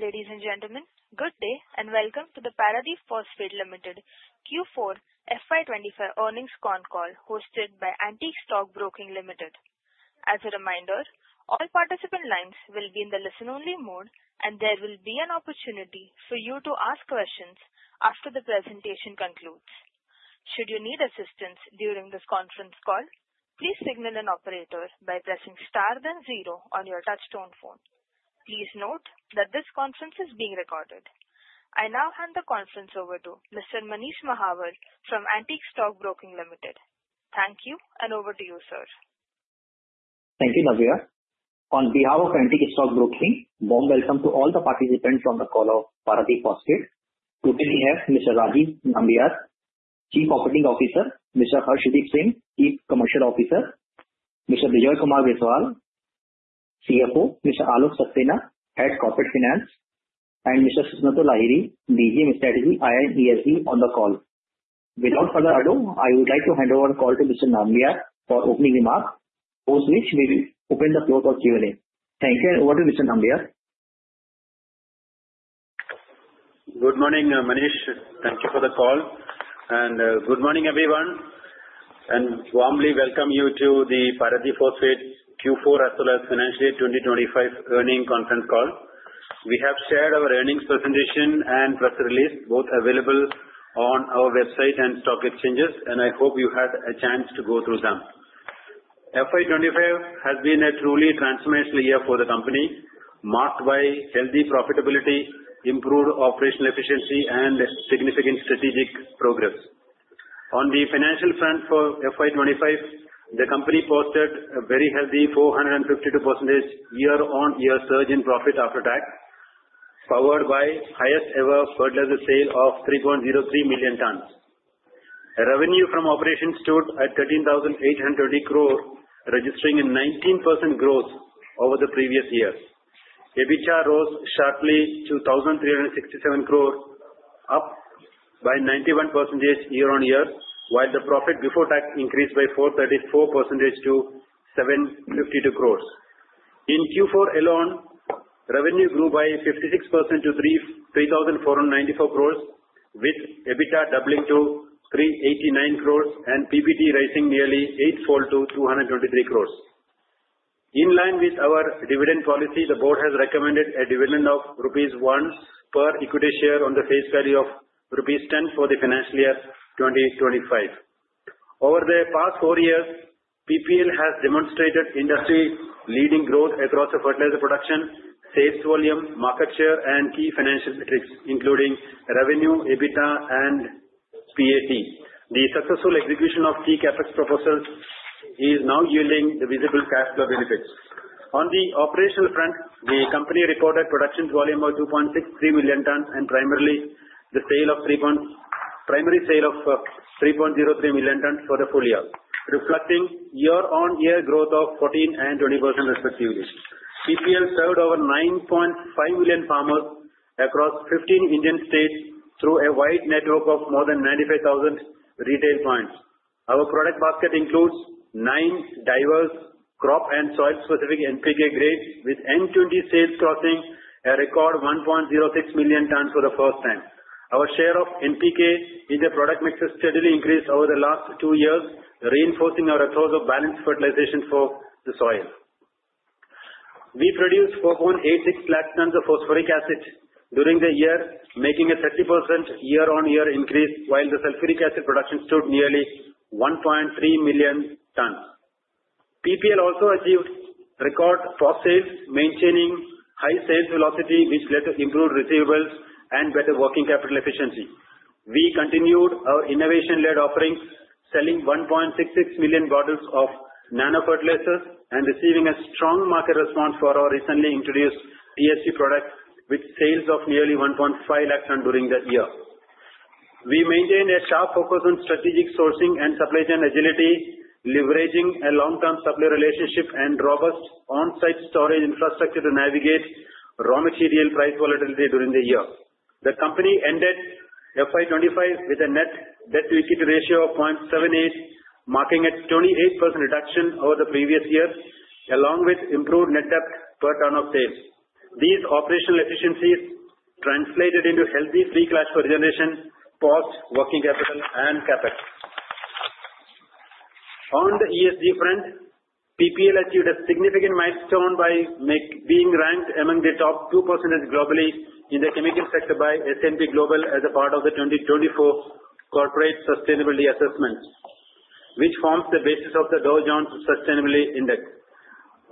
Ladies and gentlemen, good day and welcome to the Paradeep Phosphates Limited Q4 FY 2025 earnings con call hosted by Antique Stock Broking Limited. As a reminder, all participant lines will be in the listen-only mode, and there will be an opportunity for you to ask questions after the presentation concludes. Should you need assistance during this conference call, please signal an operator by pressing star then zero on your touch-tone phone. Please note that this conference is being recorded. I now hand the conference over to Mr. Manish Mahawar from Antique Stock Broking Limited. Thank you, and over to you, sir. Thank you, Navya. On behalf of Antique Stock Broking, warm welcome to all the participants on the call of Paradeep Phosphates. Today we have Mr. Rajeev Nambiar, COO, Mr. Harshdeep Singh, Chief Commercial Officer, Mr. Bijoy Kumar Biswal, CFO, Mr. Alok Saxena, Head Corporate Finance, and Mr. Susnato Lahiri, DGM Strategy, on the call. Without further ado, I would like to hand over the call to Mr. Nambiar for opening remarks, post which we will open the floor for Q&A. Thank you, and over to Mr. Nambiar. Good morning, Manish. Thank you for the call and good morning, everyone. And warmly welcome you to the Paradeep Phosphates Q4 as well as Financial Year 2025 Earnings Conference Call. We have shared our earnings presentation and press release, both available on our website and stock exchanges, and I hope you had a chance to go through them. FY 2025 has been a truly transformational year for the company, marked by healthy profitability, improved operational efficiency, and significant strategic progress. On the financial front for FY 2025, the company posted a very healthy 452% year-on-year surge in profit after tax, powered by highest-ever fertilizer sale of 3.03 million tons. Revenue from operations stood at 13,820 crore, registering a 19% growth over the previous year. EBITDA rose sharply to 1,367 crore, up by 91% year-on-year, while the profit before tax increased by 434% to 752 crore. In Q4 alone, revenue grew by 56% to 3,494 crore, with EBITDA doubling to 389 crore and PBT rising nearly eightfold to 223 crore. In line with our dividend policy, the board has recommended a dividend of rupees 1 per equity share on the face value of rupees 10 for the financial year 2025. Over the past four years, PPL has demonstrated industry-leading growth across the fertilizer production, sales volume, market share, and key financial metrics, including revenue, EBITDA, and PAT. The successful execution of key CapEx proposals is now yielding visible cash flow benefits. On the operational front, the company reported production volume of 2.63 million tons and primary sale of 3.03 million tons for the full year, reflecting year-on-year growth of 14% and 20% respectively. PPL served over 9.5 million farmers across 15 Indian states through a wide network of more than 95,000 retail points. Our product basket includes nine diverse crop and soil-specific NPK grades, with N20 sales crossing a record 1.06 million tons for the first time. Our share of NPK in the product mix has steadily increased over the last two years, reinforcing our approach of balanced fertilization for the soil. We produced 4.86 lakh tons of phosphoric acid during the year, making a 30% year-on-year increase, while the sulfuric acid production stood nearly 1.3 million tons. PPL also achieved record cross-sales, maintaining high sales velocity, which led to improved receivables and better working capital efficiency. We continued our innovation-led offerings, selling 1.66 million bottles of nano-fertilizers and receiving a strong market response for our recently introduced TSP product, with sales of nearly 1.5 lakh tons during the year. We maintained a sharp focus on strategic sourcing and supply chain agility, leveraging a long-term supply relationship and robust on-site storage infrastructure to navigate raw material price volatility during the year. The company ended FY 2025 with a net debt-to-equity ratio of 0.78, marking a 28% reduction over the previous year, along with improved net debt per ton of sales. These operational efficiencies translated into healthy free cash flow generation, cost, working capital, and CapEx. On the ESG front, PPL achieved a significant milestone by being ranked among the top 2% globally in the chemical sector by S&P Global as a part of the 2024 Corporate Sustainability Assessment, which forms the basis of the Dow Jones Sustainability Index.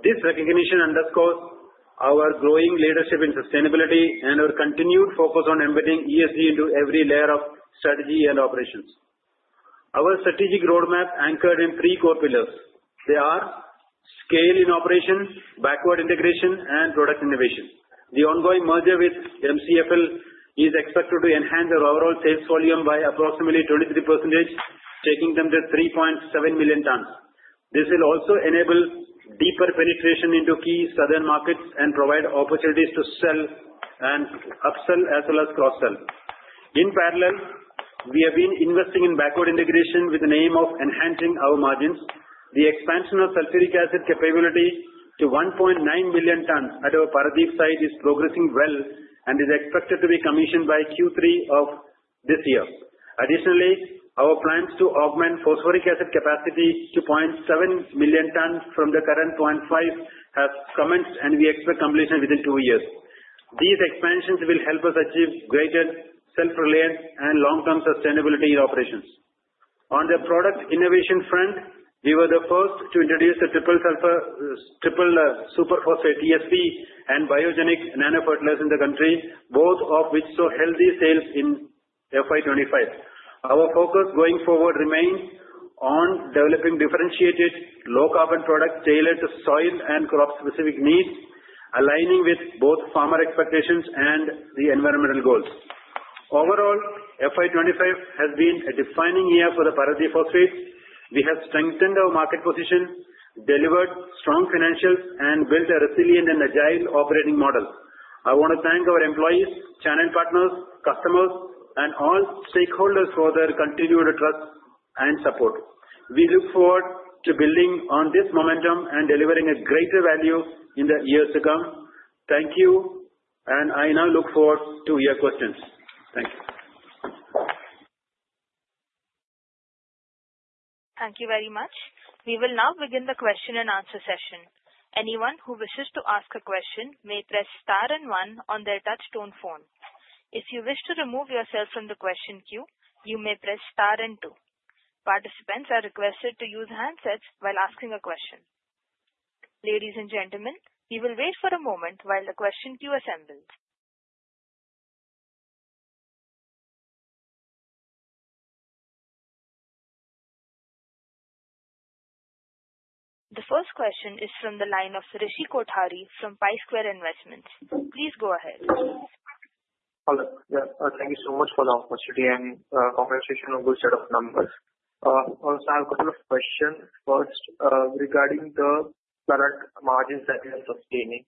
This recognition underscores our growing leadership in sustainability and our continued focus on embedding ESG into every layer of strategy and operations. Our strategic roadmap anchored in three core pillars. They have scale in operations, backward integration, and product innovation. The ongoing merger with MCFL is expected to enhance our overall sales volume by approximately 23%, taking it to 3.7 million tons. This will also enable deeper penetration into key southern markets and provide opportunities to sell and upsell as well as cross-sell. In parallel, we have been investing in backward integration with the aim of enhancing our margins. The expansion of sulfuric acid capability to 1.9 million tons at our Paradeep site is progressing well and is expected to be commissioned by Q3 of this year. Additionally, our plans to augment phosphoric acid capacity to 0.7 million tons from the current 0.5 have commenced, and we expect completion within two years. These expansions will help us achieve greater self-reliance and long-term sustainability in operations. On the product innovation front, we were the first to introduce the Triple Super Phosphate, TSP, and Biogenic nano-fertilizer in the country, both of which saw healthy sales in FY 2025. Our focus going forward remains on developing differentiated low-carbon products tailored to soil and crop-specific needs, aligning with both farmer expectations and the environmental goals. Overall, FY 2025 has been a defining year for the Paradeep Phosphates. We have strengthened our market position, delivered strong financials, and built a resilient and agile operating model. I want to thank our employees, channel partners, customers, and all stakeholders for their continued trust and support. We look forward to building on this momentum and delivering a greater value in the years to come. Thank you, and I now look forward to your questions. Thank you. Thank you very much. We will now begin the question-and-answer session. Anyone who wishes to ask a question may press star and one on their touch-tone phone. If you wish to remove yourself from the question queue, you may press star and two. Participants are requested to use handsets while asking a question. Ladies and gentlemen, we will wait for a moment while the question queue assembles. The first question is from the line of Rishi Kothari from Pi Square Investments. Please go ahead. Hello. Thank you so much for the opportunity and conversation on this set of numbers. Also, I have a couple of questions. First, regarding the current margins that we are sustaining.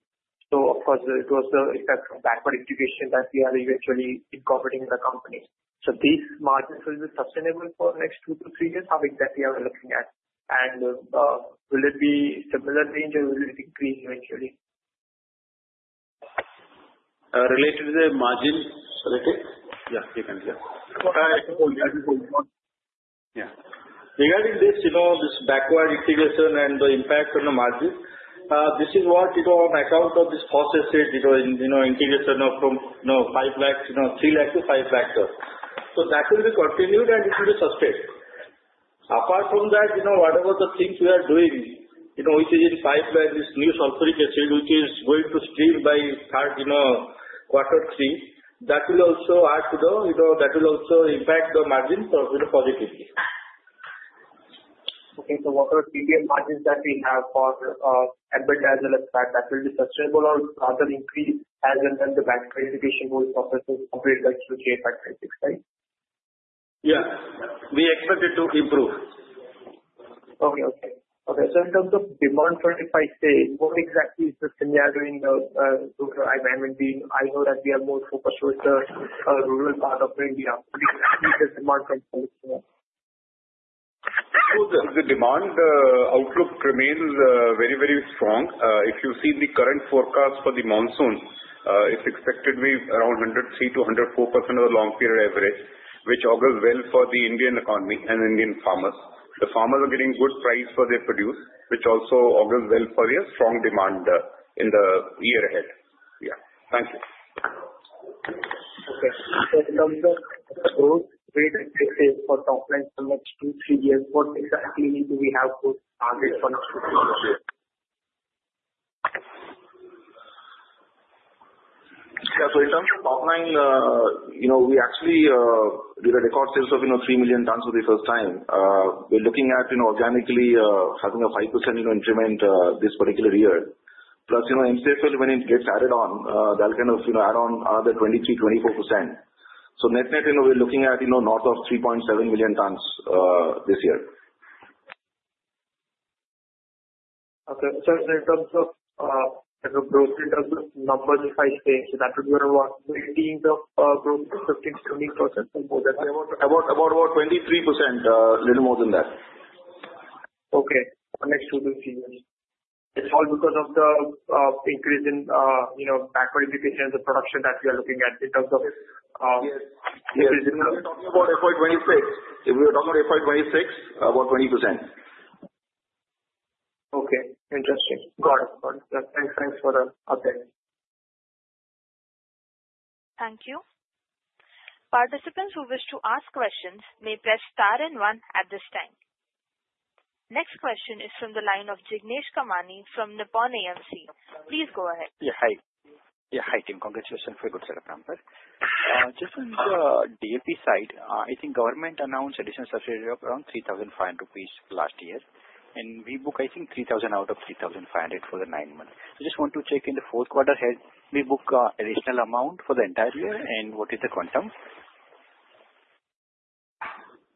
So, of course, it was the effect of backward integration that we are eventually incorporating in the company. So, these margins will be sustainable for the next two-to-three years? How exactly are we looking at? And will it be a similar range, or will it increase eventually? Related to the margins. Yeah. Regarding this, you know, this backward integration and the impact on the margins, this is what you know on account of this process, integrat, ion from 5 lakh to, no 3 lakh-5 lakh tons. So, that will be continued, and it will be sustained. Apart from that, you know, whatever the things we are doing, which is in pipeline, this new sulfuric acid, which is going to come on stream by Q3, that will also add to the, you know, that will also impact the margins positively. Okay. So, what are the margins that we have for EBITDA as well as that? That will be sustainable or rather increase as and when the backward integration process is completed by FY 2026, right? Yeah. We expect it to improve. Okay. So, in terms of demand for if I say, what exactly is the scenario in the rural areas? I mean, I heard that we are more focused with the rural part of India. The demand outlook remains very, very strong. If you see the current forecast for the monsoon, it's expected to be around 103%-104% of the long period average, which augurs well for the Indian economy and Indian farmers. The farmers are getting good price for their produce, which also augurs well for their strong demand in the year ahead. Yeah. Thank you. Okay. So, in terms of growth rate for top line for the next two, three years, what exactly do we have for target for next two to three years? Yeah. So, in terms of top line, you know, we actually did a record sales of 3 million tons for the first time. We're looking at organically having a 5% increment this particular year. Plus, MCFL, when it gets added on, that'll kind of add on another 23%, 24%. So, net net, we're looking at north of 3.7 million tons this year. Okay, so, in terms of growth in terms of numbers if I say, that would be around 18% to 15%, 20%, something like that? About 23%, a little more than that. Okay. For the next two, three years? It's all because of the increase in Backward Integration of the production that we are looking at in terms of increasing? Yes. If we are talking about FY 2026, about 20%. Okay. Interesting. Got it. Got it. Thanks for the update. Thank you. Participants who wish to ask questions may press star and one at this time. Next question is from the line of Jignesh Kamani from Nippon AMC. Please go ahead. Hi, team. Congratulations for a good set of numbers. Just on the DAP side, I think government announced additional subsidy of around 3,500 rupees last year. And we book, I think, 3,000 out of 3,500 for the nine months. I just want to check, in the Q4 ahead, we book additional amount for the entire year? And what is the quantum?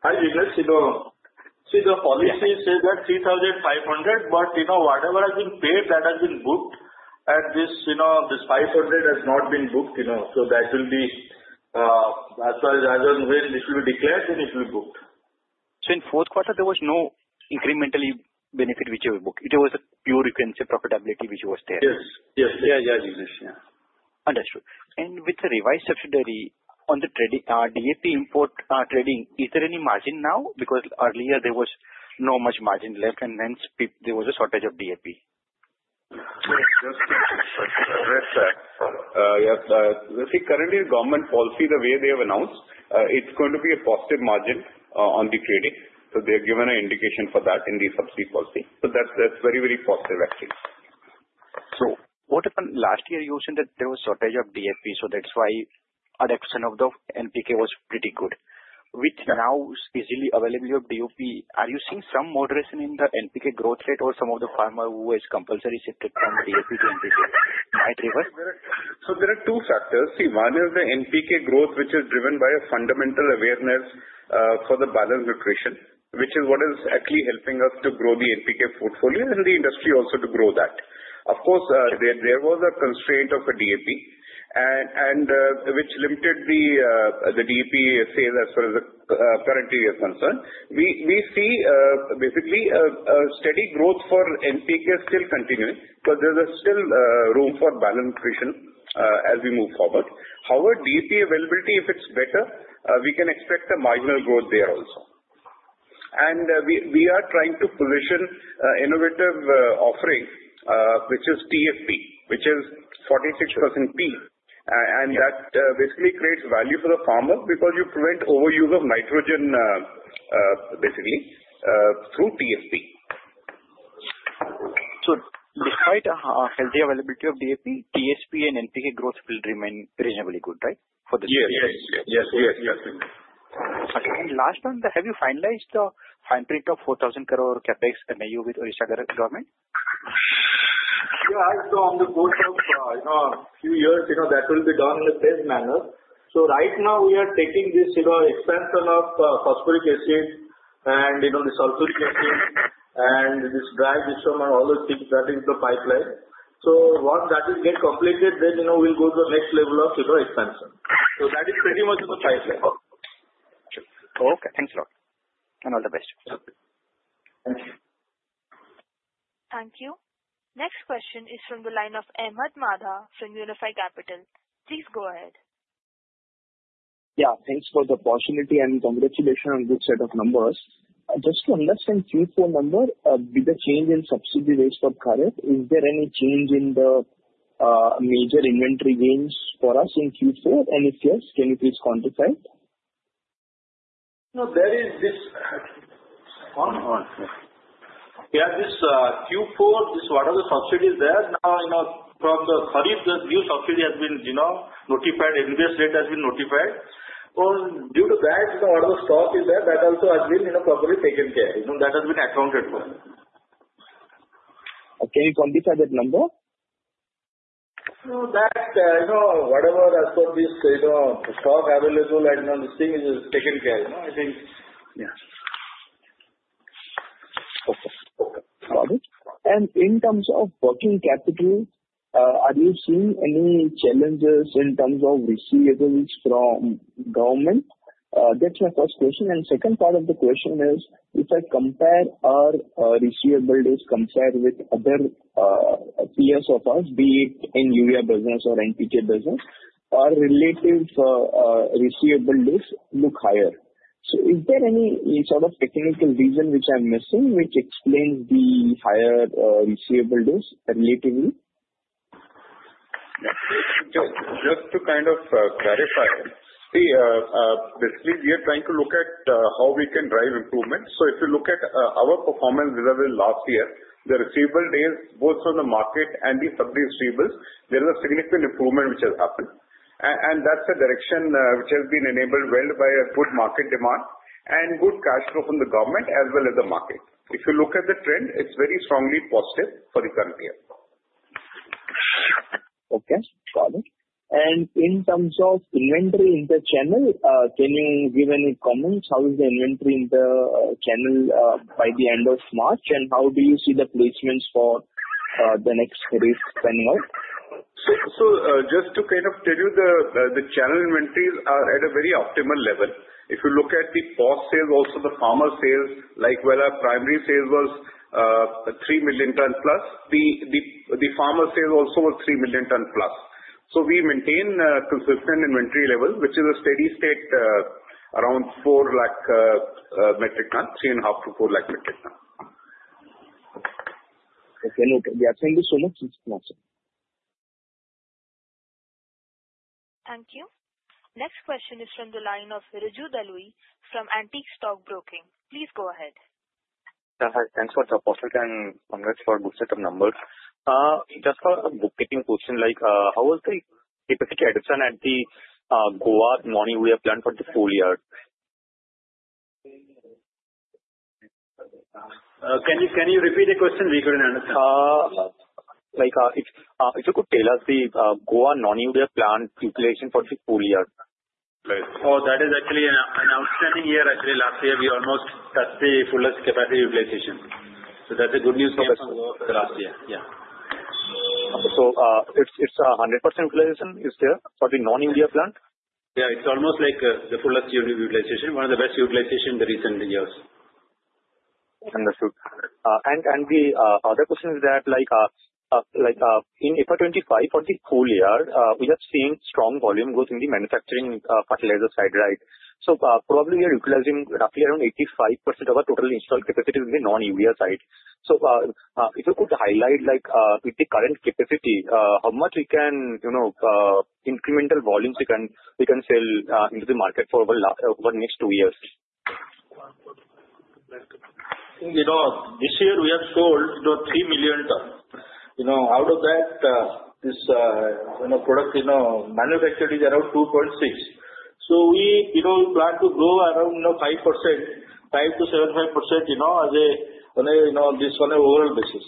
Hi, Jignesh. So, the policy says that 3,500, but whatever has been paid, that has been booked. At this, this 500 has not been booked. So, that will be as far as when it will be declared, then it will be booked. In Q4, there was no incremental benefit which you booked. It was a pure, you can say, profitability which was there. Yes. Yes. Yeah. Yeah, Jignesh. Yeah. Understood. And with the revised subsidy on the DAP import trading, is there any margin now? Because earlier, there was not much margin left, and hence there was a shortage of DAP. Yes. I think currently, the government policy, the way they have announced, it's going to be a positive margin on the trading. So, they have given an indication for that in the subsidy policy. So, that's very, very positive, actually. So, what happened last year? You mentioned that there was a shortage of DAP, so that's why adoption of the NPK was pretty good. With now easy availability of DAP, are you seeing some moderation in the NPK growth rate or some of the farmers who compulsorily shifted from DAP to NPK? Might reverse? There are two factors. See, one is the NPK growth, which is driven by a fundamental awareness for the balanced nutrition, which is what is actually helping us to grow the NPK portfolio and the industry also to grow that. Of course, there was a constraint of the DAP, which limited the DAP sales as far as the current year is concerned. We see basically a steady growth for NPK still continuing because there's still room for balanced nutrition as we move forward. However, DAP availability, if it's better, we can expect a marginal growth there also. And we are trying to position innovative offering, which is TSP, which is 46% P. And that basically creates value for the farmer because you prevent overuse of nitrogen, basically, through TSP. So, despite a healthy availability of DAP, TSP and NPK growth will remain reasonably good, right, for this year? Yes. Yes. Yes. Yes. Yes. Okay. And last on the, have you finalized the handprint of 4,000 crore CapEx MOU with Odisha government? Yeah. So, in the course of a few years, that will be done in a safe manner. So, right now, we are taking this expansion of phosphoric acid and the sulfuric acid and this dry gypsum, all those things, that is the pipeline. So, once that is completed, then we'll go to the next level of expansion. So, that is pretty much the pipeline. Okay. Thanks a lot, and all the best. Thank you. Thank you. Next question is from the line of Ahmed Madha from Unifi Capital. Please go ahead. Yeah. Thanks for the opportunity and congratulations on a good set of numbers. Just to understand Q4 number, with the change in subsidy rates for current, is there any change in the major inventory gains for us in Q4? And if yes, can you please quantify it? No, there is this. Yeah. This Q4, whatever subsidy is there, now from the current, the new subsidy has been notified, NBS rate has been notified. So, due to that, whatever stock is there, that also has been properly taken care of. That has been accounted for. Can you quantify that number? So, that, whatever for this stock available right now, this thing is taken care of. I think. Yeah. Okay. Got it. And in terms of working capital, are you seeing any challenges in terms of receivables from government? That's my first question. And the second part of the question is, if I compare our receivables compared with other peers of ours, be it in urea business or NPK business, our relative receivables look higher. So, is there any sort of technical reason which I'm missing which explains the higher receivables relatively? Just to kind of clarify, see, basically, we are trying to look at how we can drive improvement, so if you look at our performance last year, the receivables is both from the market and the sub-receivables, there is a significant improvement which has happened, and that's a direction which has been enabled well by good market demand and good cash flow from the government as well as the market. If you look at the trend, it's very strongly positive for the current year. Okay. Got it. And in terms of inventory in the channel, can you give any comments? How is the inventory in the channel by the end of March? And how do you see the placements for the next Kharif panning out? So, just to kind of tell you, the channel inventories are at a very optimal level. If you look at the post sales, also the farmer sales, like where our primary sales was 3 million tons plus, the farmer sales also was 3 million tons plus. So, we maintain a consistent inventory level, which is a steady state around 4 lakh metric tons, 3.5-4 lakh metric tons. Okay. Noted. We are thank you so much. Thank you. Next question is from the line of Riju Dalui from Antique Stock Broking. Please go ahead. Thanks for the call and congrats for a good set of numbers. Just for a bookkeeping question, how was the capacity addition at the Goa non-urea plant for the full year? Can you repeat the question? We couldn't understand. If you could tell us the Goa non-urea plant utilization for the full year? Oh, that is actually an outstanding year. Actually, last year, we almost touched the fullest capacity utilization. So, that's a good news for us last year. Yeah. So, it's 100% utilization is there for the non-urea plant? Yeah. It's almost like the fullest utilization, one of the best utilization in the recent years. Understood. And the other question is that in FY 2025 for the full year, we have seen strong volume growth in the manufacturing fertilizer side, right? So, probably we are utilizing roughly around 85% of our total installed capacity in the non-urea side. So, if you could highlight with the current capacity, how much we can incremental volumes we can sell into the market for over the next two years? This year, we have sold 3 million tons. Out of that, this product manufactured is around 2.6. So, we plan to grow around 5%, 5 to 7, 5% on this overall basis.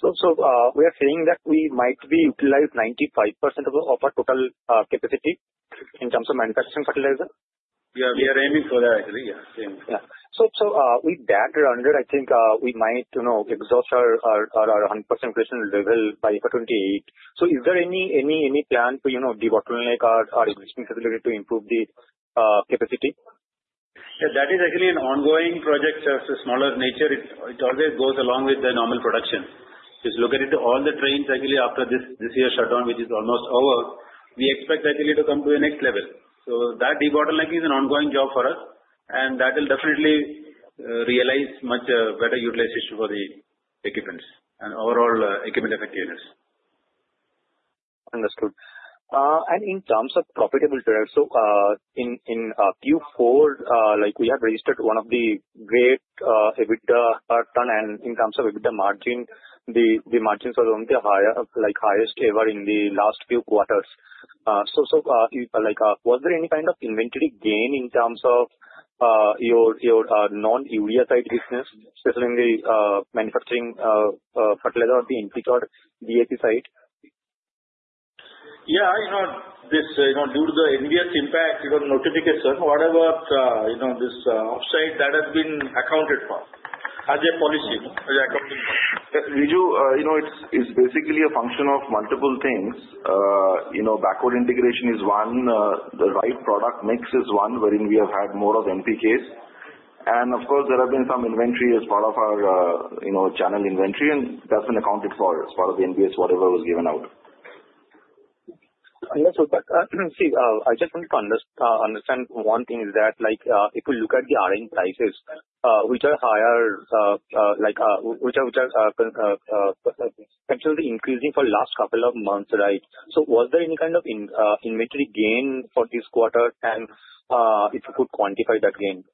So, we are saying that we might be utilized 95% of our total capacity in terms of manufacturing fertilizer? Yeah. We are aiming for that, actually. Yeah. Yeah. So, with that, I think we might exhaust our 100% production level by FY 2028. So, is there any plan to de-bottleneck our existing facility to improve the capacity? Yeah. That is actually an ongoing project of a smaller nature. It always goes along with the normal production. Just look at it, all the trains actually after this year's shutdown, which is almost over, we expect actually to come to the next level. So, that debottlenecking is an ongoing job for us. And that will definitely realize much better utilization for the equipment and overall equipment effectiveness. Understood. And in terms of profitability, so in Q4, we have registered one of the greatest EBITDA/ton, and in terms of EBITDA margin, the margins were one of the highest ever in the last few quarters. So, was there any kind of inventory gain in terms of your non-urea side business, especially in the manufactured fertilizer or the NPK or DAP side? Yeah. Due to the NBS impact notification, whatever this upside, that has been accounted for as a policy. Riju, it's basically a function of multiple things, Backward Integration is one, the right product mix is one, wherein we have had more of NPKs and of course, there have been some inventory as part of our channel inventory, and that's been accounted for as part of the NBS, whatever was given out. Understood, but see, I just wanted to understand one thing is that if we look at the RM prices, which are higher, which are potentially increasing for the last couple of months, right? So, was there any kind of inventory gain for this quarter? And if you could quantify that gain.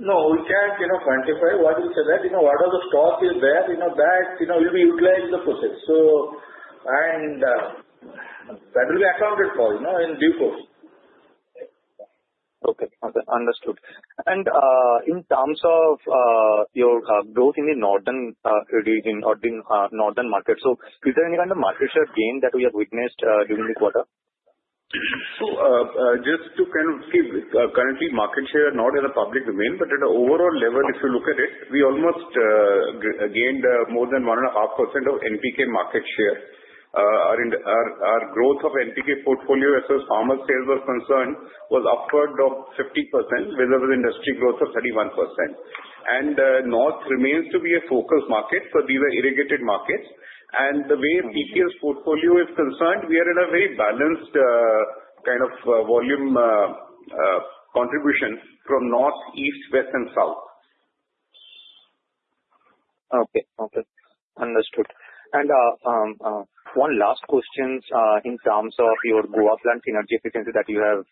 No, we can't quantify what you said, that. Whatever stock is there, that will be utilized in the process. So, and that will be accounted for in due course. Okay. Understood. And in terms of your growth in the northern region, northern market, so is there any kind of market share gain that we have witnessed during the quarter? So, just to kind of keep currently, market share not in a public domain, but at an overall level, if you look at it, we almost gained more than 1.5% of NPK market share. Our growth of NPK portfolio as far as farmer sales was concerned was upward of 50%, with industry growth of 31%. And north remains to be a focus market for these irrigated markets. And the way TSP portfolio is concerned, we are in a very balanced kind of volume contribution from North, East, West, and South. Okay. Okay. Understood, and one last question in terms of your Goa plant energy efficiency that you have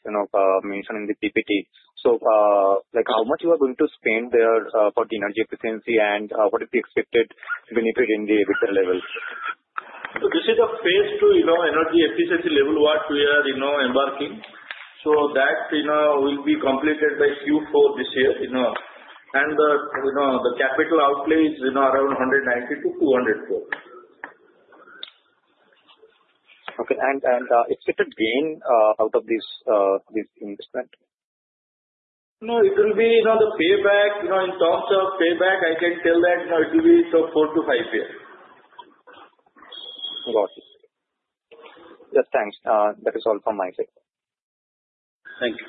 mentioned in the PPT, so how much you are going to spend there for the energy efficiency, and what is the expected benefit in the EBITDA level? This is a phase II energy efficiency level what we are embarking. So, that will be completed by Q4 this year and the capital outlay is around 190 crore-200 crore. Okay. And expected gain out of this investment? No, it will be the payback. In terms of payback, I can tell that it will be four to five years. Got it. Yes. Thanks. That is all from my side. Thank you.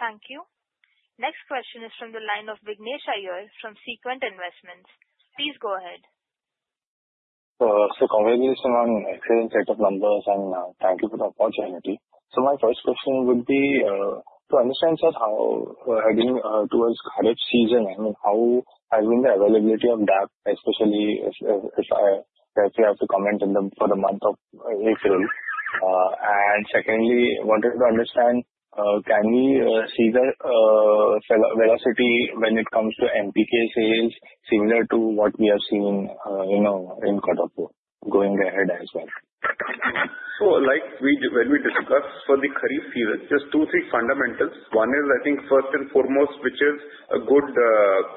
Thank you. Next question is from the line of Vignesh Iyer from Sequent Investments. Please go ahead. So, congratulations on excellent set of numbers, and thank you for the opportunity. So, my first question would be to understand, sir, how towards current season, I mean, how has been the availability of DAP, especially if I have to comment for the month of April? And secondly, I wanted to understand, can we see the velocity when it comes to NPK sales similar to what we have seen in Q4 going ahead as well? So, like when we discussed for the Kharif season, just two, three fundamentals. One is, I think, first and foremost, which is a good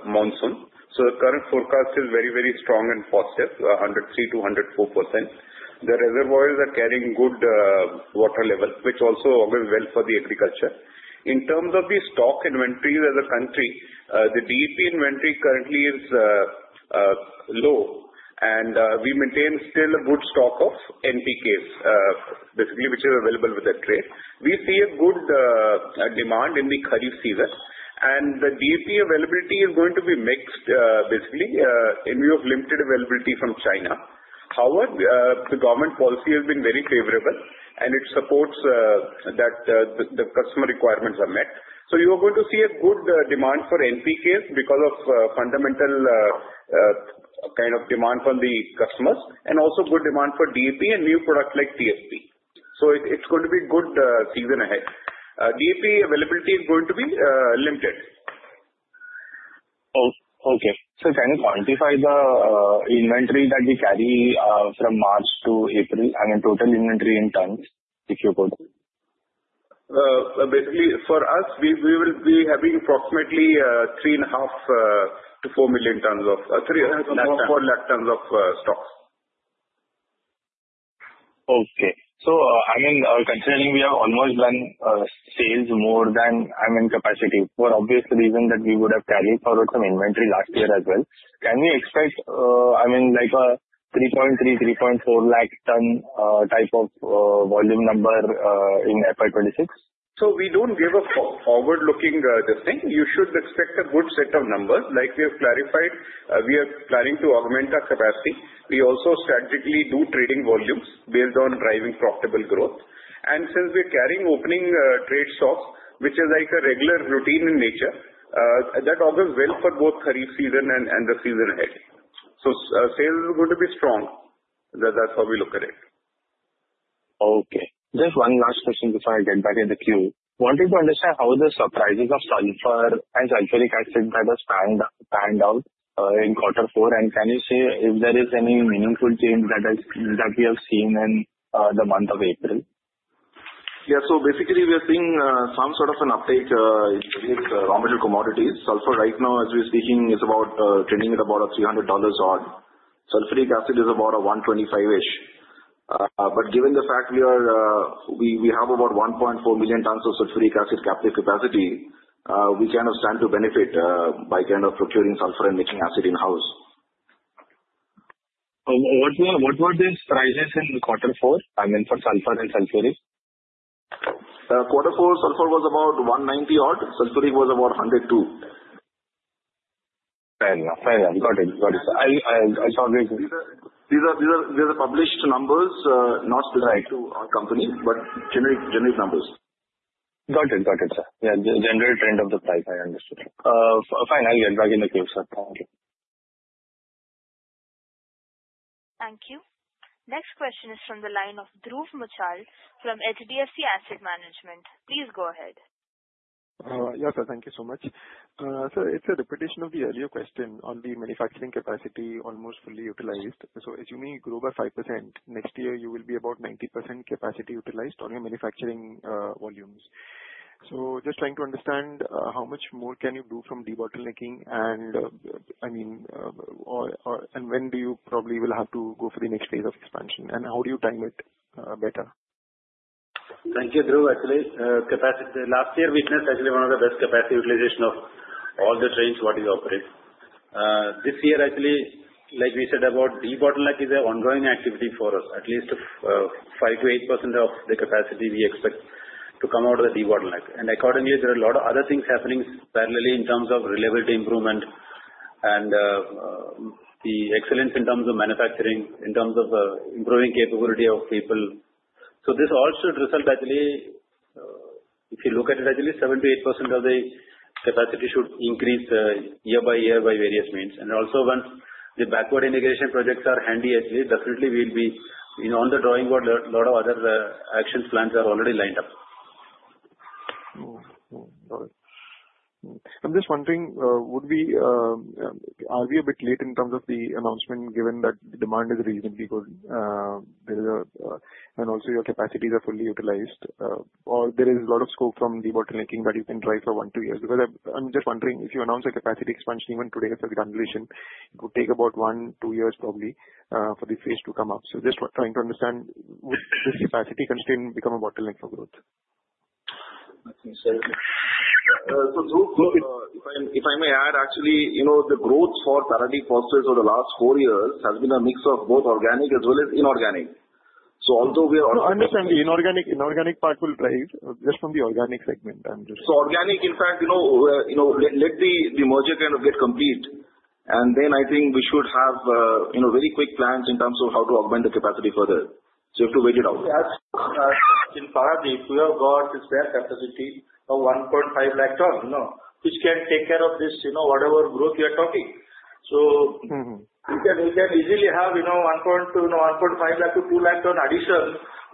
monsoon. The current forecast is very, very strong and positive, 103%-104%. The reservoirs are carrying good water level, which also works well for the agriculture. In terms of the stock inventory as a country, the DAP inventory currently is low. And we maintain still a good stock of NPKs, basically, which is available with the trade. We see a good demand in the Kharif season. And the DAP availability is going to be mixed, basically, in view of limited availability from China. However, the government policy has been very favorable, and it supports that the customer requirements are met. You are going to see a good demand for NPKs because of fundamental kind of demand from the customers and also good demand for DAP and new products like TSP. It's going to be a good season ahead. DAP availability is going to be limited. Okay, so can you quantify the inventory that we carry from March to April and the total inventory in tons if you could? Basically, for us, we will be having approximately 3.5-4 million tons of 4 lakh tons of stock. Okay. So, I mean, considering we have almost done sales more than I mean, capacity, for obvious reason that we would have carried forward some inventory last year as well. Can we expect, I mean, like a 3.3-3.4 lakh ton type of volume number in FY 2026? So, we don't give a forward-looking thing. You should expect a good set of numbers. Like we have clarified, we are planning to augment our capacity. We also strategically do trading volumes based on driving profitable growth. And since we are carrying opening trade stocks, which is like a regular routine in nature, that augurs well for both Kharif season and the season ahead. So, sales are going to be strong. That's how we look at it. Okay. Just one last question before I get back in the queue. Wanted to understand how the prices of sulfur and sulfuric acid have panned out in Q4? And can you say if there is any meaningful change that we have seen in the month of April? Yeah. So, basically, we are seeing some sort of an uptake in raw material commodities. Sulfur, right now, as we are speaking, is about trading at about $300 odd. Sulfuric Acid is about $125-ish. But given the fact we have about 1.4 million tons of sulfuric acid captive capacity, we can stand to benefit by kind of procuring sulfur and making acid in-house. What were these prices in Q4, I mean, for sulfur and sulfuric? Q4, sulfur was about 190 odd, sulfuric was about 102. Fair enough. Fair enough. Got it. Got it. These are published numbers, not specific to our company, but generic numbers. Got it. Got it, sir. Yeah. General trend of the price, I understood. Fine. I'll get back in the queue, sir. Thank you. Thank you. Next question is from the line of Dhruv Muchhal from HDFC Asset Management. Please go ahead. Yes, sir. Thank you so much. Sir, it's a repetition of the earlier question on the manufacturing capacity almost fully utilized. So, assuming you grow by 5%, next year, you will be about 90% capacity utilized on your manufacturing volumes. So, just trying to understand how much more can you do from de-bottlenecking and, I mean, and when do you probably will have to go for the next phase of expansion? And how do you time it better? Thank you, Dhruv. Actually, last year, we did actually one of the best capacity utilization of all the trains what we operate. This year, actually, like we said about debottlenecking is an ongoing activity for us. At least 5%-8% of the capacity we expect to come out of the debottlenecking. And accordingly, there are a lot of other things happening parallelly in terms of reliability improvement and the excellence in terms of manufacturing, in terms of improving capability of people. So, this all should result, actually, if you look at it, actually, 7%-8% of the capacity should increase year by year by various means. And also, once the backward integration projects are handy, actually, definitely we'll be on the drawing board. A lot of other action plans are already lined up. Got it. I'm just wondering, are we a bit late in terms of the announcement, given that demand is reasonably good and also your capacities are fully utilized? Or there is a lot of scope from debottlenecking that you can drive for one to two years? Because I'm just wondering, if you announce a capacity expansion even today for the commissioning, it would take about one to two years probably for the phase to come up. So, just trying to understand, would this capacity constraint become a bottleneck for growth? So, Dhruv, if I may add, actually, the growth for Paradeep Phosphates over the last four years has been a mix of both organic as well as inorganic. So, although we are on. No, I understand. The inorganic part will drive just from the organic segment. I'm just. So, organically, in fact, let the merger kind of get complete. And then, I think we should have very quick plans in terms of how to augment the capacity further. So, you have to wait it out. In Paradeep, we have got a spare capacity of 1.5 lakh ton, which can take care of this whatever growth we are talking. So, we can easily have 1.5 lakh-2 lakh ton addition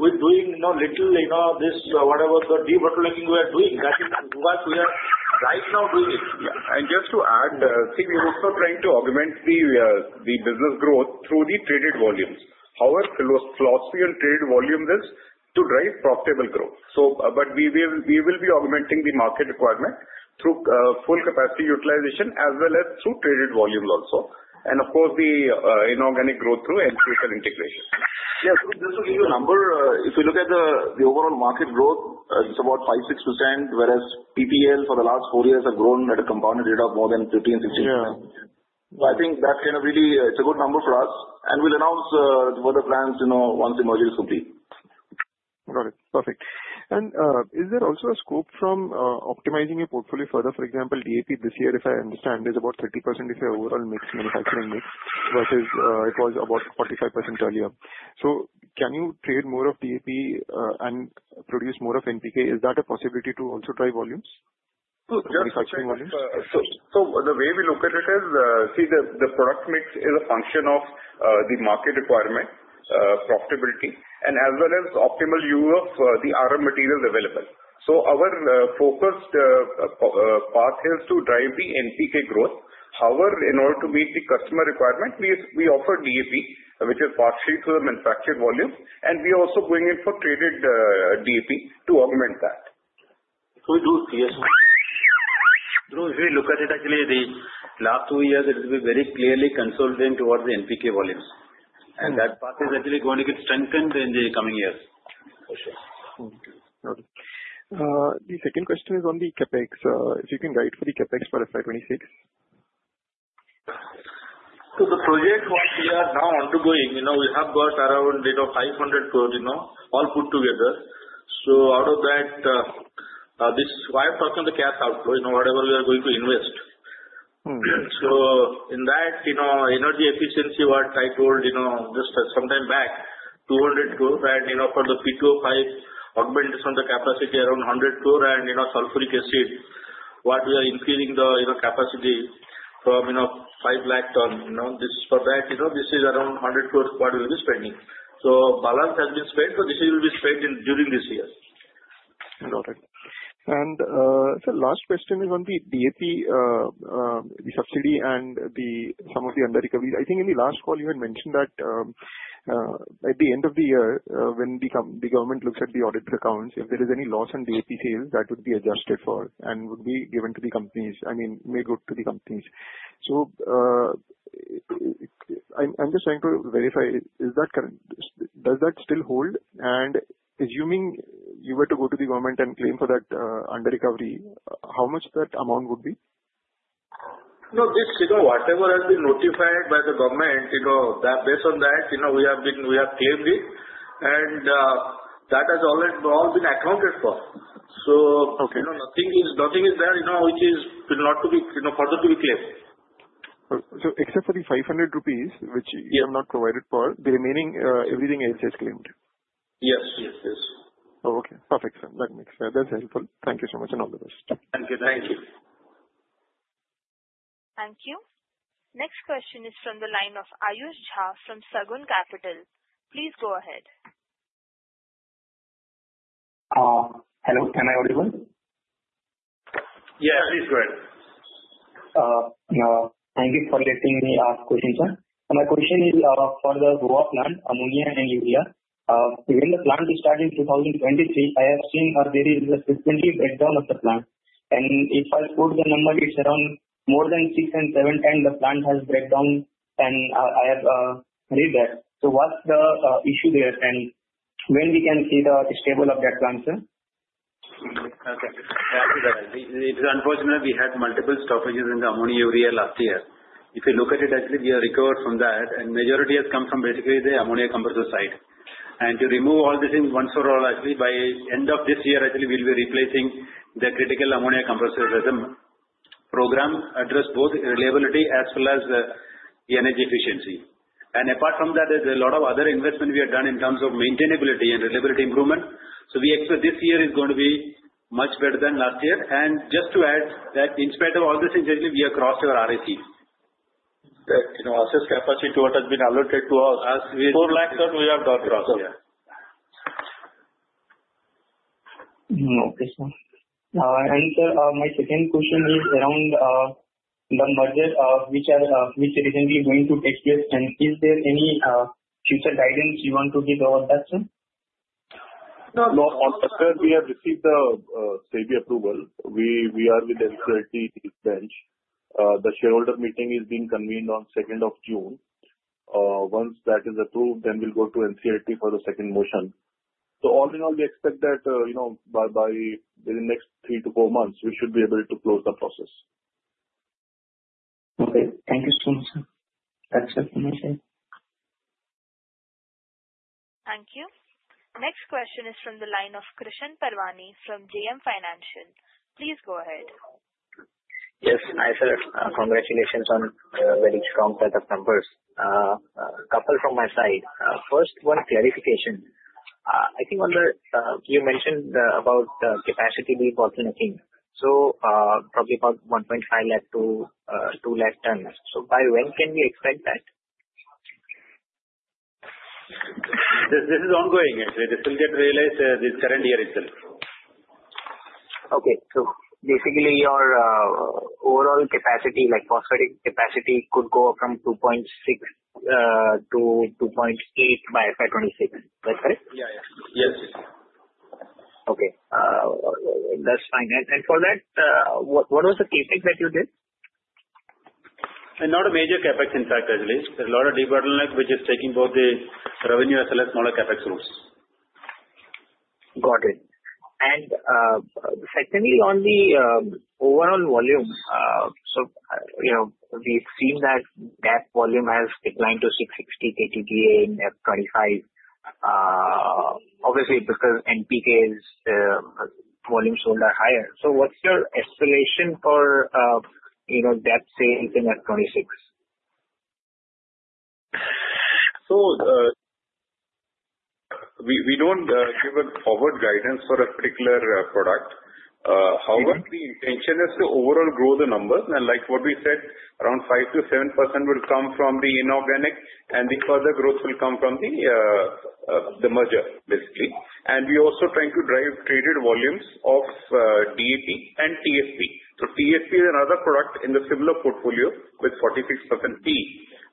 with doing little this whatever the debottlenecking we are doing. That is what we are right now doing it. And just to add, see, we're also trying to augment the business growth through the traded volumes. Our philosophy on traded volume is to drive profitable growth. So, but we will be augmenting the market requirement through full capacity utilization as well as through traded volumes also. And of course, the inorganic growth through NPK integration. Yeah. Just to give you a number, if you look at the overall market growth, it's about 5-6%, whereas PPL for the last four years have grown at a compounded rate of more than 15-16%. So, I think that kind of really it's a good number for us, and we'll announce further plans once the merger is complete. Got it. Perfect. And is there also a scope from optimizing your portfolio further? For example, DAP this year, if I understand, is about 30% of your overall mixed manufacturing mix versus it was about 45% earlier. So, can you trade more of DAP and produce more of NPK? Is that a possibility to also drive volumes, manufacturing volumes? So, the way we look at it is, see, the product mix is a function of the market requirement, profitability, and as well as optimal use of the RM materials available. Our focused path is to drive the NPK growth. However, in order to meet the customer requirement, we offer DAP, which is partially through the manufactured volume. And we are also going in for traded DAP to augment that. So, Dhruv, yes. Dhruv, if you look at it, actually, the last two years, it has been very clearly consolidating towards the NPK volumes. And that path is actually going to get strengthened in the coming years, for sure. Okay. Got it. The second question is on the CapEx. If you can guide for the CapEx for FY 2026? So, the project we are now undergoing, we have got around 500 crore all put together. So, out of that, this is why I'm talking the cash outflow, whatever we are going to invest. So, in that energy efficiency what I told just some time back, 200 crore for the P2O5 augmentation of the capacity around 100 crore and sulfuric acid, what we are increasing the capacity from 5 lakh ton. This is for that. This is around 100 crore what we will be spending. So, the balance has been spent. So, this will be spent during this year. Got it. And sir, last question is on the DAP subsidy and some of the under-recovery. I think in the last call, you had mentioned that at the end of the year, when the government looks at the audit accounts, if there is any loss in DAP sales, that would be adjusted for and would be given to the companies, I mean, made good to the companies. So, I'm just trying to verify, does that still hold? And assuming you were to go to the government and claim for that under-recovery, how much that amount would be? No, this. Whatever has been notified by the government, based on that, we have claimed it. And that has all been accounted for. So, nothing is there which is not further to be claimed. Except for the 500 rupees, which you have not provided for, the remaining everything else is claimed? Yes. Yes. Yes. Okay. Perfect, sir. That makes sense. That's helpful. Thank you so much and all the best. Thank you. Thank you. Thank you. Next question is from the line of Aayush Jha from Sagun Capital. Please go ahead. Hello. Am I audible? Yes. Please go ahead. Thank you for letting me ask questions, sir. My question is for the Goa plant, ammonia and urea. Even the plant is starting 2023, I have seen a very frequently breakdown of the plant. And if I put the number, it's around more than six and seven, and the plant has breakdown, and I have read that. So, what's the issue there? And when we can see the stability of that plant, sir? It is unfortunate we had multiple stoppages in the ammonia urea last year. If you look at it, actually, we are recovered from that, and majority has come from basically the ammonia compressor side. And to remove all this once and for all, actually, by end of this year, actually, we'll be replacing the critical ammonia compressor as a program to address both reliability as well as the energy efficiency. And apart from that, there's a lot of other investment we have done in terms of maintainability and reliability improvement. So we expect this year is going to be much better than last year, and just to add that, in spite of all this incident, we have crossed our RAC. As such capacity to what has been allocated to us, 4 lakh ton, we have not crossed. Yeah. Okay, sir. And sir, my second question is around the merger, which is recently going to take place. And is there any future guidance you want to give about that, sir? No. As per, we have received the SEBI approval. We are with the NCLT bench. The shareholder meeting is being convened on 2nd of June. Once that is approved, then we'll go to NCLT for the second motion. So, all in all, we expect that by the next three-to-four months, we should be able to close the process. Okay. Thank you so much, sir. That's it from my side. Thank you. Next question is from the line of Krishan Parwani from JM Financial. Please go ahead. Yes. Hi, sir. Congratulations on a very strong set of numbers. A couple from my side. First, one clarification. I think you mentioned about capacity debottlenecking. So, probably about 1.5 lakh to 2 lakh tons. So, by when can we expect that? This is ongoing, actually. This will get realized this current year itself. Okay. So, basically, your overall capacity, like phosphatic capacity, could go from 2.6 to 2.8 by FY 2026. That's correct? Yeah. Yes. Yes. Okay. That's fine. And for that, what was the CapEx that you did? Not a major CapEx, in fact, actually. There's a lot of debottlenecking, which is taking both the revenue as well as smaller CapEx routes. Got it. And secondly, on the overall volume, so we've seen that that volume has declined to 660 KTTA in FY 2025, obviously, because NPK's volume sold are higher. So, what's your expectation for those sales in FY 2026? We don't give forward guidance for a particular product. However, the intention is to overall grow the numbers. Like what we said, around 5%-7% will come from the inorganic, and the further growth will come from the merger, basically. We are also trying to drive traded volumes of DAP and TSP. TSP is another product in the similar portfolio with 46% P.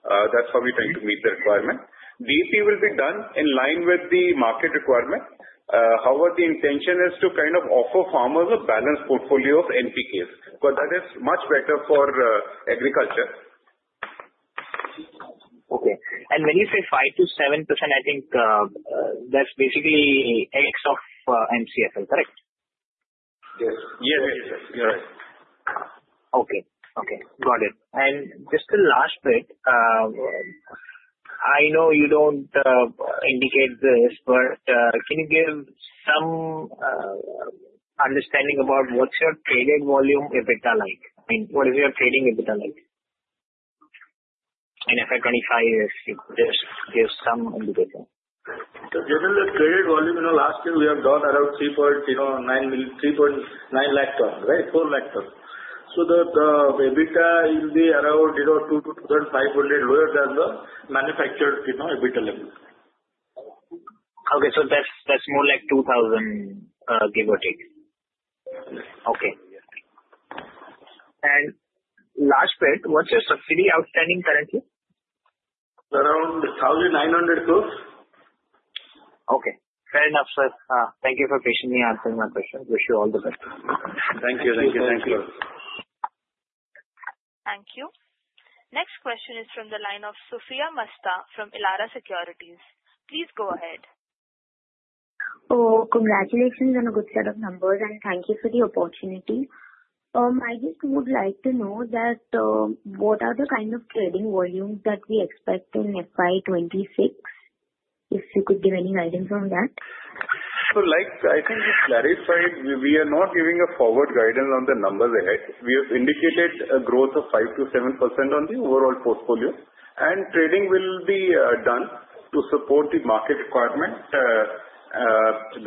That's how we're trying to meet the requirement. DAP will be done in line with the market requirement. However, the intention is to kind of offer farmers a balanced portfolio of NPKs. But that is much better for agriculture. Okay, and when you say 5%-7%, I think that's basically ex of MCFL, correct? Yes. Yes. Yes. You're right. Okay. Okay. Got it. And just the last bit, I know you don't indicate this, but can you give some understanding about what's your traded volume EBITDA like? I mean, what is your trading EBITDA like? And FY 2025, if you could just give some indication. Given the traded volume, last year we have gone around 3.9 lakh ton, right? 4 lakh ton. So, the EBITDA will be around 2,000-2,500 lower than the manufactured EBITDA level. Okay, so that's more like 2,000 give or take. Okay, and last bit, what's your subsidy outstanding currently? Around 1,900 crore. Okay. Fair enough, sir. Thank you for patiently answering my questions. Wish you all the best. Thank you. Thank you. Thank you. Thank you. Next question is from the line of Sophiya Masta from Elara Securities. Please go ahead. Oh, congratulations on a good set of numbers, and thank you for the opportunity. I just would like to know that what are the kind of trading volumes that we expect in FY 2026? If you could give any guidance on that. So, like I think you clarified, we are not giving a forward guidance on the numbers ahead. We have indicated a growth of 5%-7% on the overall portfolio. And trading will be done to support the market requirement,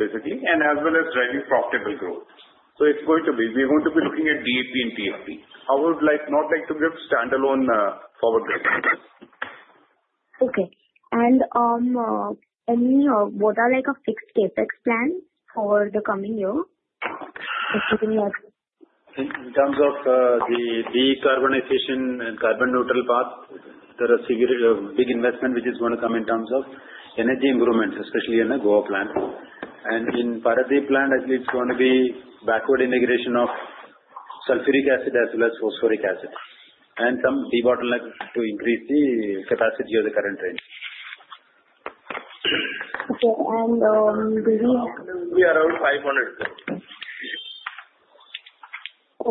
basically, and as well as driving profitable growth. So, it's going to be we are going to be looking at DAP and TSP. I would not like to give standalone forward guidance. Okay. And what are like a fixed CapEx plan for the coming year? Just giving like. In terms of the decarbonization and carbon neutral path, there are big investments which is going to come in terms of energy improvements, especially in the Goa plant, and in Paradeep plant, I think it's going to be backward integration of sulfuric acid as well as phosphoric acid, and some debottlenecking to increase the capacity of the current range. Okay, and do we? We are around 500 crore.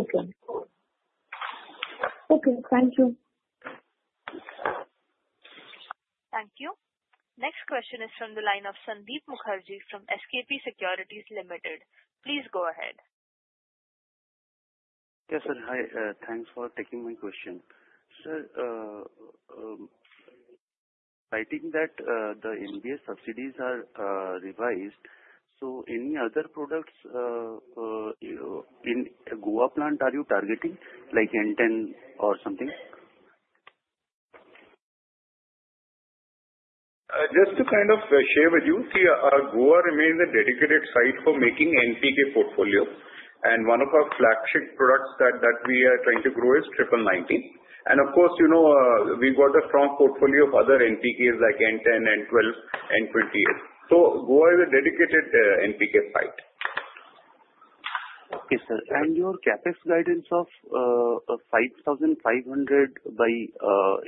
Okay. Okay. Thank you. Thank you. Next question is from the line of Sandeep Mukherjee from SKP Securities Limited. Please go ahead. Yes, sir. Hi. Thanks for taking my question. Sir, I think that the NBS subsidies are revised. So, any other products in Goa plant are you targeting, like N10 or something? Just to kind of share with you, Goa remains a dedicated site for making NPK portfolio. And one of our flagship products that we are trying to grow is triple 19. And of course, we've got a strong portfolio of other NPKs like N10, N12, N20. So, Goa is a dedicated NPK site. Okay, sir. And your CapEx guidance of 5,500 by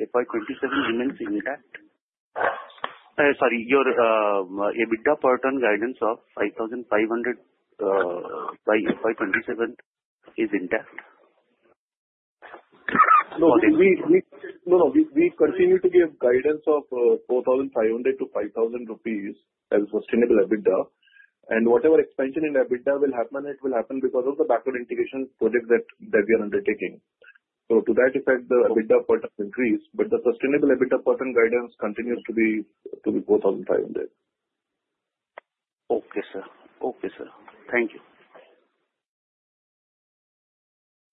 FY2027 remains intact? Sorry, your EBITDA per ton guidance of INR 5,500 by FY 2027 is intact? No, no. We continue to give guidance of 4,500-5,000 rupees as sustainable EBITDA. And whatever expansion in EBITDA will happen, it will happen because of the backward integration project that we are undertaking. So, to that effect, the EBITDA per ton increase. But the sustainable EBITDA per ton guidance continues to be 4,500. Okay, sir. Okay, sir. Thank you.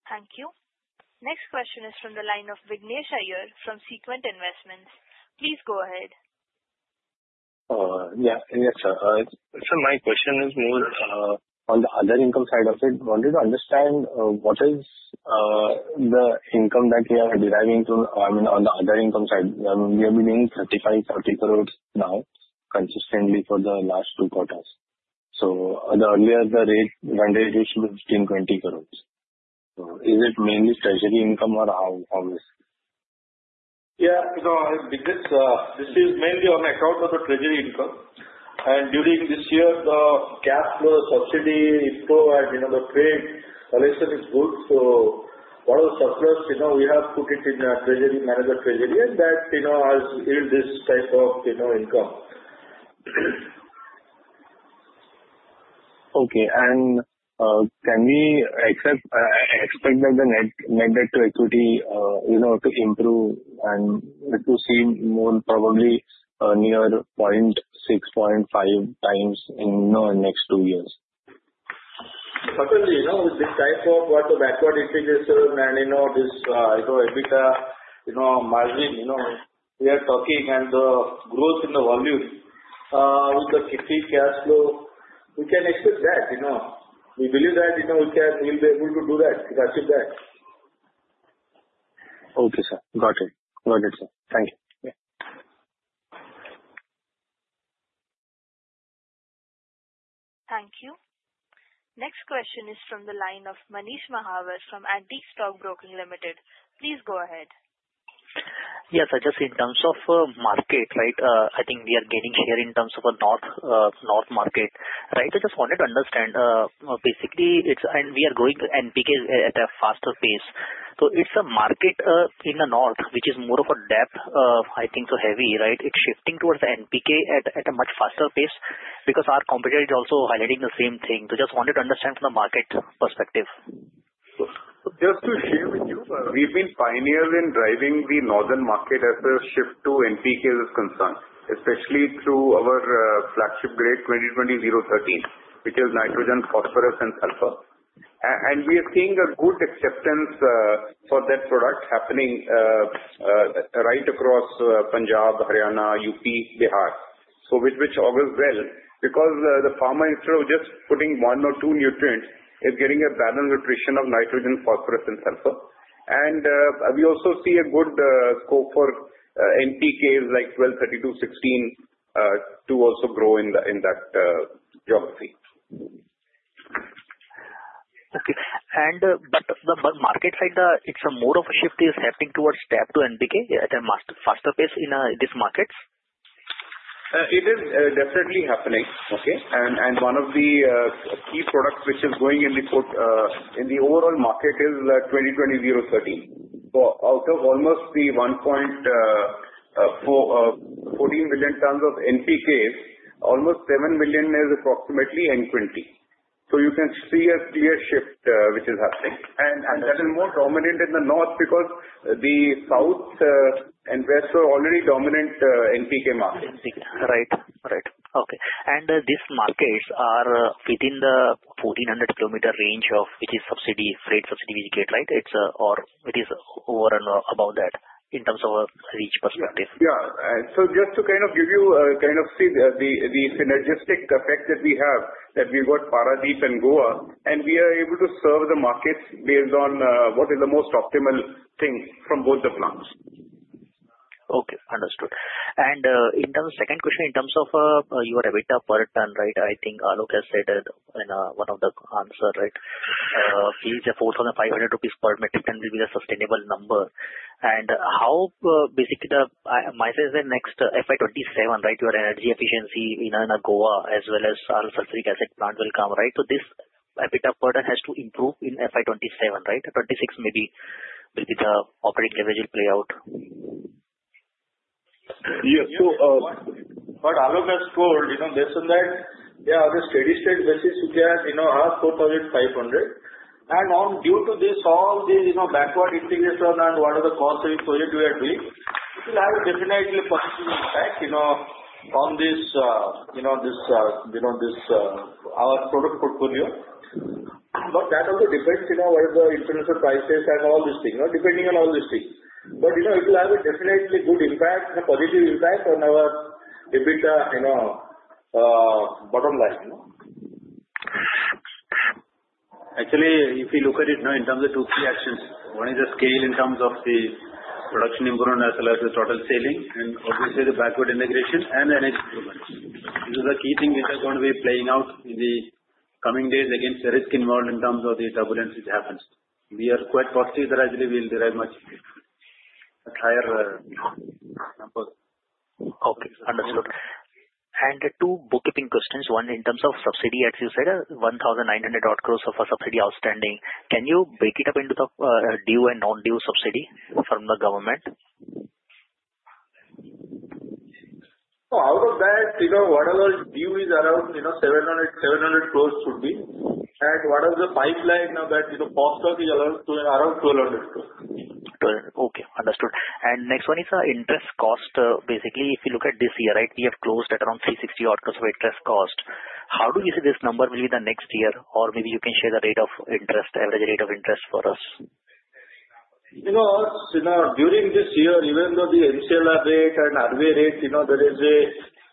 Thank you. Next question is from the line of Vignesh Iyer from Sequent Investments. Please go ahead. Yeah. Yes, sir. Sir, my question is more on the other income side of it. I wanted to understand what is the income that we are deriving from, I mean, on the other income side. We have been doing 35-40 crore now consistently for the last two quarters. So, earlier, the rate went away to 15-20 crore. Is it mainly treasury income or how is it? Yeah. This is mainly on account of the treasury income. And during this year, the cash flow subsidy improved and the trade collection is good. So, one of the surplus, we have put it in the treasury manager treasury. And that has yielded this type of income. Okay. And can we expect that the net debt-to-equity to improve and to see more probably near 0.6-0.5 times in the next two years? Certainly, with this type of what the backward integration and this EBITDA margin, we are talking and the growth in the volume with the cash flow, we can expect that. We believe that we'll be able to do that, to achieve that. Okay, sir. Got it. Got it, sir. Thank you. Thank you. Next question is from the line of Manish Mahawar from Antique Stock Broking Limited. Please go ahead. Yes, sir. Just in terms of market, right, I think we are gaining share in terms of a north market. Right? I just wanted to understand. Basically, we are growing NPK at a faster pace. So, it's a market in the north, which is more of a depth, I think, so heavy, right? It's shifting towards NPK at a much faster pace because our competitor is also highlighting the same thing. So, just wanted to understand from the market perspective. Just to share with you, we've been pioneers in driving the northern market as a shift to NPKs is concerned, especially through our flagship grade 20:20:0:13, which is nitrogen, phosphorus, and sulfur, and we are seeing a good acceptance for that product happening right across Punjab, Haryana, UP, Bihar, so which all goes well because the farmer instead of just putting one or two nutrients is getting a balanced nutrition of nitrogen, phosphorus, and sulfur, and we also see a good scope for NPKs like 12:32:16 to also grow in that geography. Okay. And the market side, it's more of a shift is happening towards DAP to NPK at a faster pace in these markets? It is definitely happening. Okay. And one of the key products which is going in the overall market is 20:20:0:13. So, out of almost the 1.14 million tons of NPKs, almost 70% is approximately N20. So, you can see a clear shift which is happening. And that is more dominant in the north because the south and west are already dominant NPK market. Right. Okay. And these markets are within the 1,400 km range for which we get subsidy, freight subsidy, right? It's over and above that in terms of a reach perspective. Yeah, so, just to kind of give you a sense of the synergistic effect that we have, that we've got Paradeep and Goa, and we are able to serve the markets based on what is the most optimal thing from both the plants. Okay. Understood. And in terms of second question, in terms of your EBITDA per ton, right, I think Alok has said in one of the answer, right, fees are 4,500 rupees per metric ton will be the sustainable number. And how basically my sense is that next FY 2027, right, your energy efficiency in Goa as well as our sulfuric acid plant will come, right? So, this EBITDA per ton has to improve in FY 2027, right? FY 2026 maybe will be the operating leverage will play out?. Yes. So, what Alok has told, this and that, there are the steady state versus we are at half 4,500. And due to this, all these backward integration and what are the costs of project we are doing, it will have definitely a positive impact on this our product portfolio. But that also depends on what are the influence of prices and all these things, depending on all these things. But it will have a definitely good impact, a positive impact on our EBITDA bottom line. Actually, if you look at it in terms of two key actions, one is the scale in terms of the production improvement as well as the total scaling, and obviously the backward integration and energy improvement. This is the key thing which is going to be playing out in the coming days against the risk involved in terms of the turbulence which happens. We are quite positive that actually we'll derive much higher numbers. Okay. Understood, and two bookkeeping questions. One in terms of subsidy, as you said, 1,900 crore of a subsidy outstanding. Can you break it up into the due and non-due subsidy from the government? So, out of that, whatever due is around 700 crore should be. And what is the pipeline that cost is around 1,200 crore. 1,200. Okay. Understood. And next one is interest cost. Basically, if you look at this year, right, we have closed at around 360 crore of interest cost. How do you see this number will be the next year? Or maybe you can share the rate of interest, average rate of interest for us. During this year, even though the MCLR rate and RBI rate, there is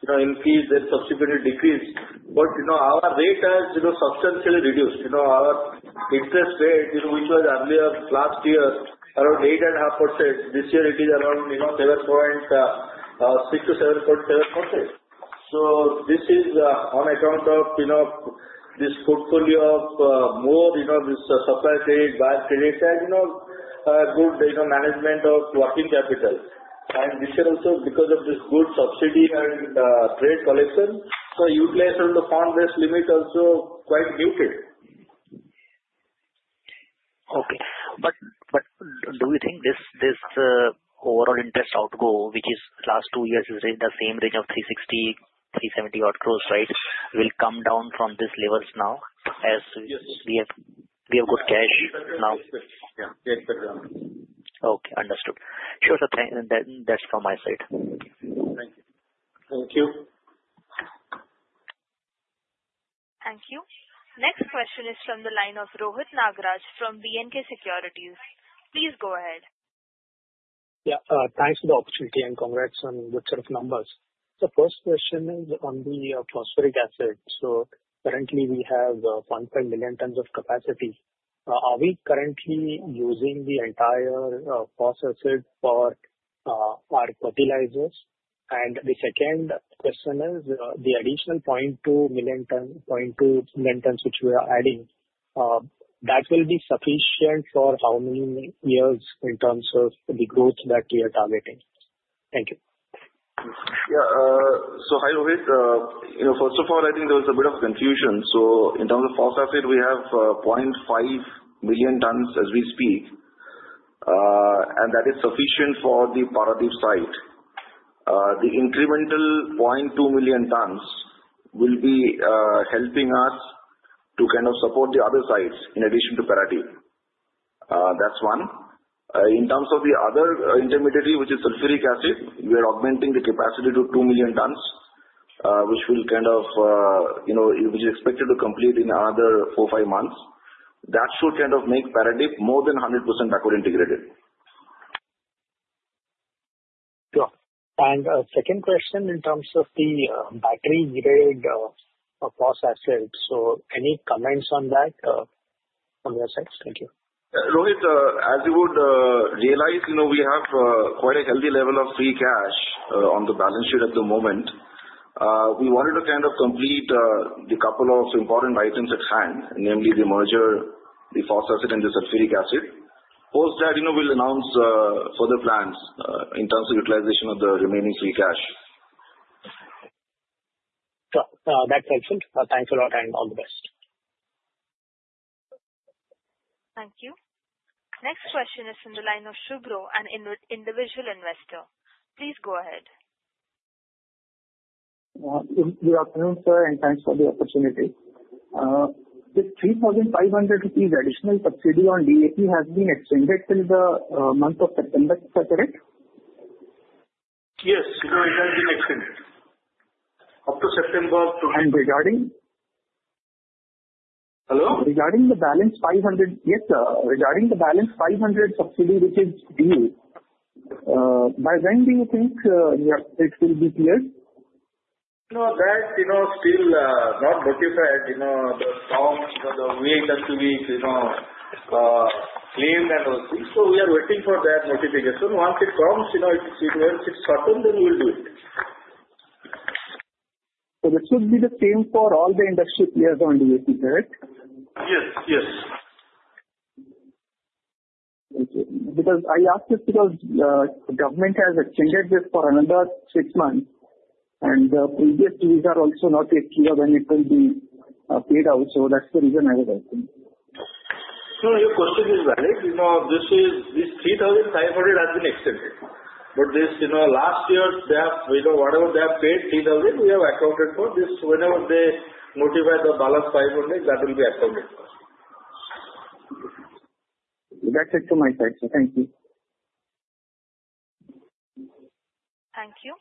an increase and subsequently decrease. But our rate has substantially reduced. Our interest rate, which was earlier last year around 8.5%, this year it is around 6%-7.7%. So, this is on account of this portfolio of more supply trade, buyer trade, and good management of working capital. And this year also, because of this good subsidy and trade collection, the utilization of the fund-based limit also quite muted. Okay. But do you think this overall interest outgo, which is last two years is in the same range of 360-370 crore, right, will come down from these levels now as we have good cash now? Yes. Exactly. Okay. Understood. Sure. That's from my side. Thank you. Thank you. Next question is from the line of Rohit Nagraj from B&K Securities. Please go ahead. Yeah. Thanks for the opportunity and congrats on good set of numbers. So, first question is on the phosphoric acid. So, currently, we have 1.5 million tons of capacity. Are we currently using the entire phosphoric acid for our fertilizers? And the second question is the additional 0.2 million tons which we are adding, that will be sufficient for how many years in terms of the growth that we are targeting? Thank you. Yeah. So, hi Rohit. First of all, I think there was a bit of confusion. So, in terms of phosphoric acid, we have 0.5 million tons as we speak. And that is sufficient for the Paradeep site. The incremental 0.2 million tons will be helping us to kind of support the other sites in addition to Paradeep. That's one. In terms of the other intermediary, which is sulfuric acid, we are augmenting the capacity to 2 million tons, which will kind of be expected to complete in another four, five months. That should kind of make Paradeep more than 100% backward integrated. Sure. And second question in terms of the battery-graded phosphoric acid. So, any comments on that from your side? Thank you. Rohit, as you would realize, we have quite a healthy level of free cash on the balance sheet at the moment. We wanted to kind of complete the couple of important items at hand, namely the merger, the phosphoric acid, and the sulfuric acid. Post that, we'll announce further plans in terms of utilization of the remaining free cash. That's excellent. Thanks a lot and all the best. Thank you. Next question is from the line of Shubro, an individual investor. Please go ahead. Good afternoon, sir, and thanks for the opportunity. The 3,500 rupees additional subsidy on DAP has been extended till the month of September, is that correct? Yes. It has been extended up to September of. And regarding? Hello? Regarding the balance 500, yes, regarding the balance 500 subsidy, which is due, by when do you think it will be cleared? No, that's still not notified. The wait has to be claimed and all things. So, we are waiting for that notification. Once it comes, once it's certain, then we'll do it. So, this would be the same for all the industry players on DAP, correct? Yes. Yes. Because I asked this because the government has extended this for another six months. And the previous fees are also not yet clear when it will be paid out. So, that's the reason I was asking. Sir, your question is valid. This 3,500 has been extended. But last year, whatever they have paid, 3,000, we have accounted for. Whenever they notify the balance 500, that will be accounted for. That's it from my side. Thank you. Thank you.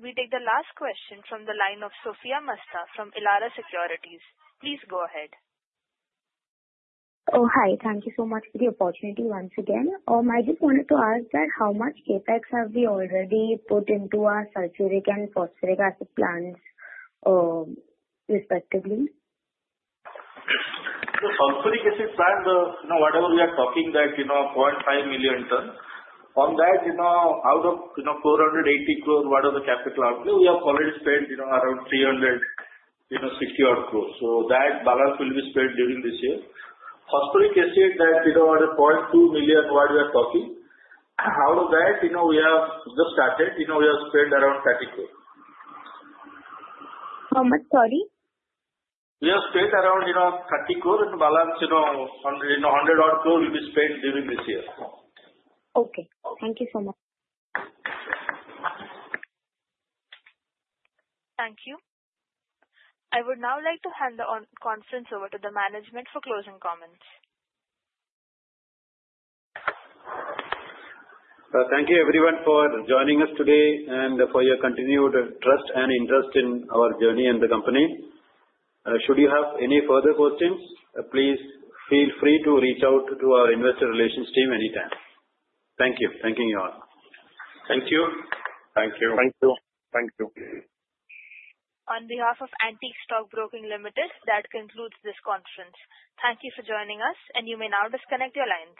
We take the last question from the line of Sophiya Masta from Elara Securities. Please go ahead. Oh, hi. Thank you so much for the opportunity once again. I just wanted to ask that how much CapEx have we already put into our sulfuric and phosphoric acid plants, respectively? The sulfuric acid plant, whatever we are talking, that 0.5 million ton, on that, out of 480 crore, whatever capital outlay, we have already spent around 360 crore. So, that balance will be spent during this year. Phosphoric acid, that 0.2 million what we are talking, out of that, we have just started, we have spent around 30 crore. How much? Sorry? We have spent around 30 crore, and the balance 100 crore will be spent during this year. Okay. Thank you so much. Thank you. I would now like to hand the conference over to the management for closing comments. Thank you, everyone, for joining us today and for your continued trust and interest in our journey and the company. Should you have any further questions, please feel free to reach out to our investor relations team anytime. Thank you. Thank you, you all. Thank you. Thank you. Thank you. Thank you. On behalf of Antique Stock Broking Limited, that concludes this conference. Thank you for joining us, and you may now disconnect your lines.